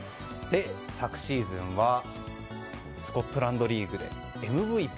昨シーズンはスコットランドリーグでＭＶＰ。